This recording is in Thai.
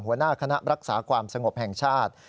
หัวหน้าคณะรักษาความสงบแห่งชาติ